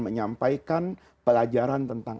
menyampaikan pelajaran tentang